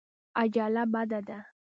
عجله بده ده.